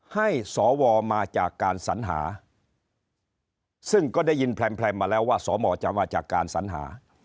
ให้สวมาจากการสัญหาซึ่งก็ได้ยินแพร่มมาแล้วว่าสมจะมาจากการสัญหา